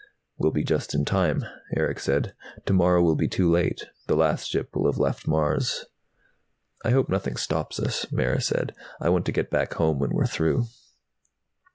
"We'll be just in time," Erick said. "Tomorrow will be too late. The last ship will have left Mars." "I hope nothing stops us," Mara said. "I want to get back home when we're through."